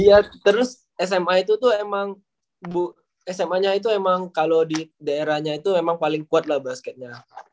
iya terus sma itu tuh emang sma nya itu emang kalau di daerahnya itu memang paling kuat lah basketnya